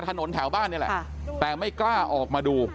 แถวบ้านนี่แหละแต่ไม่กล้าออกมาดู